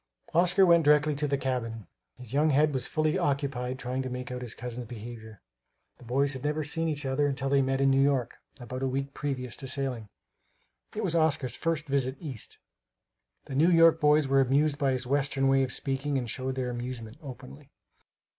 Oscar went directly to the cabin. His young head was fully occupied trying to make out his cousin's behavior. The boys had never seen each other until they met in New York, about a week previous to sailing. It was Oscar's first visit East. The New York boys were amused by his Western way of speaking and showed their amusement openly.